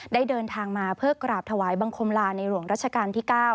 เดินทางมาเพื่อกราบถวายบังคมลาในหลวงรัชกาลที่๙